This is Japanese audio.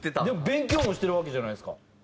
でも勉強もしてるわけじゃないですか。